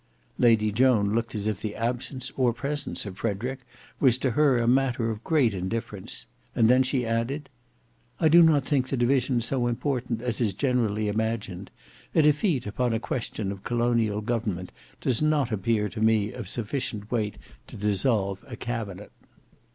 Lady Joan looked as if the absence or presence of Frederick was to her a matter of great indifference, and then she added, "I do not think the division so important as is generally imagined. A defeat upon a question of colonial government does not appear to me of sufficient weight to dissolve a cabinet."